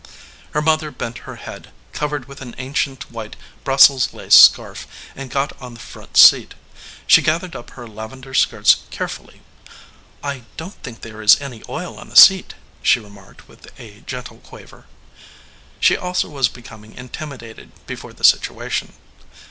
Her mother bent her head, covered with an an cient white Brussels lace scarf, and got on the front seat. She gathered up her lavender skirts care fully. "I don t think there is any oil on the seat," she remarked with a gentle quaver. She also was becoming intimidated before the situation.